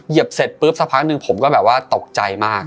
เสร็จปุ๊บสักพักหนึ่งผมก็แบบว่าตกใจมาก